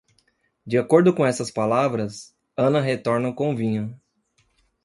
De acordo com essas palavras, Ana retorna com vinho.